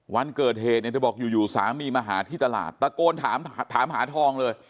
วันเกิดเหตุเนี่ยเธอบอกอยู่สามีมาหาที่ตลาดตะโกนถามหาทองเลย